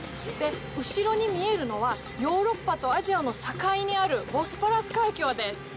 後ろに見えるのは、ヨーロッパとアジアの境にあるボスポラス海峡です。